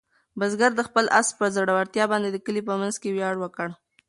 بزګر د خپل آس په زړورتیا باندې د کلي په منځ کې ویاړ وکړ.